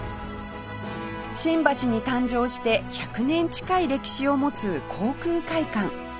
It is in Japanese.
新橋に誕生して１００年近い歴史を持つ航空会館